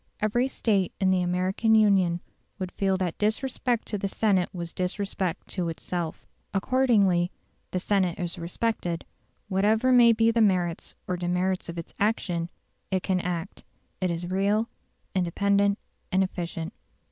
Every State in the American Union would feel that disrespect to the Senate was disrespect to itself. Accordingly, the Senate is respected; whatever may be the merits or demerits of its action, it can act; it is real, independent, and efficient.